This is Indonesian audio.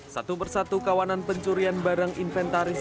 satu persatu kawanan pencurian barang inventaris